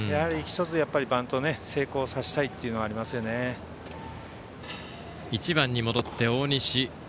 １つ、バントを成功させたいというのが１番に戻って大西。